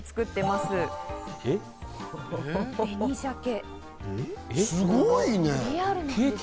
すごいね！